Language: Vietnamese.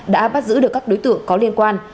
đã bắt giữ được các đối tượng có liên quan